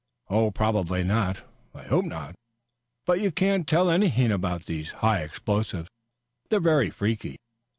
"Probably not. I hope not. But you can't tell anything about these high explosives. They're very freaky.